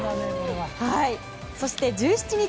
そして１７日。